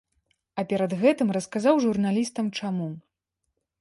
А перад гэтым расказаў журналістам, чаму.